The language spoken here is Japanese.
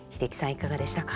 いかがでしたか？